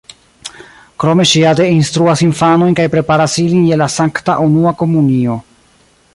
Krome ŝi ade instruas infanojn kaj preparas ilin je la sankta unua komunio.